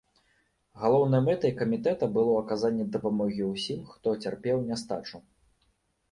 Галоўнай мэтай камітэта было аказанне дапамогі ўсім, хто цярпеў нястачу.